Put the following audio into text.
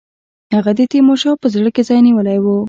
هغه د تیمورشاه په زړه کې ځای نیولی وو.